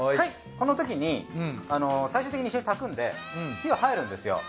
このときに最終的に一緒に炊くので火は入るんですよ。